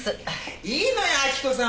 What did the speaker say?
いいのよ明子さん。